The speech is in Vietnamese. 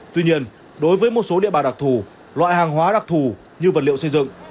tuy nhiên đối với một số địa bàn đặc thù loại hàng hóa đặc thù như vật liệu xây dựng